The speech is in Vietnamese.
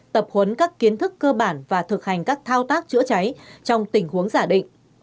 tập huấn các kiến thức cơ bản và thực hành các thao tác chữa cháy trong tình huống giả định